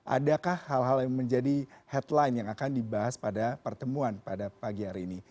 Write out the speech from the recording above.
adakah hal hal yang menjadi headline yang akan dibahas pada pertemuan pada pagi hari ini